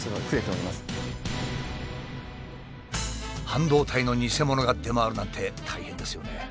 半導体のニセモノが出回るなんて大変ですよね。